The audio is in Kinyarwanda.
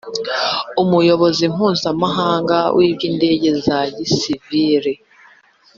umuyobozi mpuzamahanga w’iby’indege za gisivili